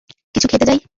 কিছু খেতে যাই?